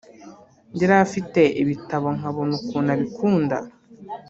yari afite ibitabo nkabona ukuntu abikunda